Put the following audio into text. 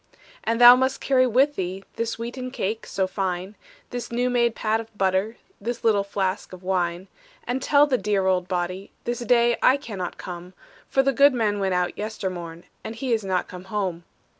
"And thou must carry with thee This wheaten cake so fine, This new made pat of butter, This little flask of wine; "And tell the dear old body, This day I cannot come, For the goodman went out yestermorn. And he is not come home.